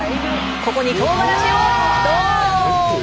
ここにとうがらしをドン！